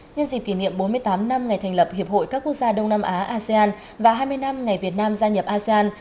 nhân dịp kỷ niệm bốn mươi tám năm ngày thành lập hiệp hội các quốc gia đông nam á asean và hai mươi năm ngày việt nam gia nhập asean